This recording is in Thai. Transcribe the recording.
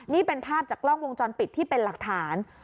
นี่เป็นภาพจากกล้องวงจรปิดที่เป็นหลักฐาน